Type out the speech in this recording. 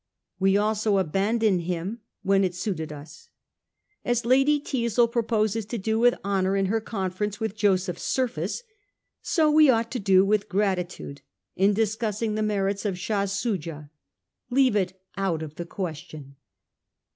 We also abandoned him when it suited us. As Lady Teazle proposes to do with honour in her conference with Joseph Surface, so we ought to do with gratitude in discussing the merits of Shah Soojah — leave it out of the question.